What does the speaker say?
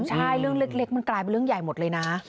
ใช่เรื่องเล็กมันกลายเป็นเรื่องใหญ่หมดเลยนะ